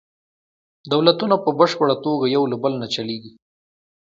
دولتونه په بشپړه توګه یو له بل نه جلیږي